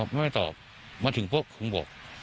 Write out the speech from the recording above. พ่อไม่ตอบมาถึงพวกพึงบอก